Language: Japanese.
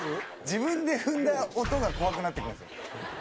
自分で踏んだ音が怖くなってくるんですよ。